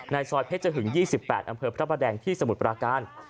ซอยเพชรหึง๒๘อำเภอพระประแดงที่สมุทรปราการ